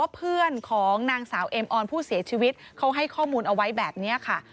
เพื่อนของนางสาวเอ็มออนผู้เสียชีวิตเขาให้ข้อมูลเอาไว้แบบนี้ค่ะ